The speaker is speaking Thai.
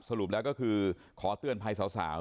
สรุปแล้วก็คือขอเตือนภัยสาว